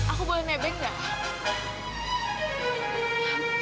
aku boleh nebeng gak